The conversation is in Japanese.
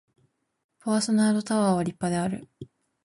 ボワソナードタワーは立派である